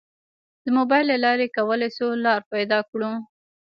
د موبایل له لارې کولی شو لار پیدا کړو.